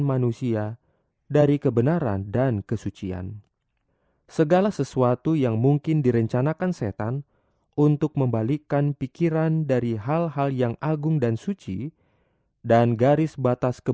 air kencur juga mampu menghidrasi tubuh yang dihidrasi akibat kekurangan cairan saat diare